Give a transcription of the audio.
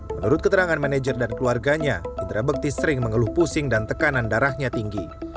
menurut keterangan manajer dan keluarganya indra bekti sering mengeluh pusing dan tekanan darahnya tinggi